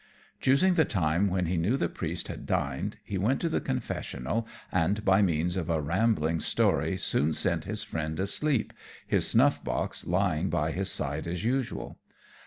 Choosing the time when he knew the Priest had dined, he went to the confessional, and by means of a rambling story soon sent his friend asleep, his snuff box lying by his side as usual.